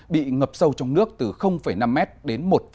bị ngập sâu trong nước từ năm m đến một m